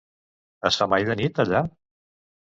Es fa mai de nit, allà?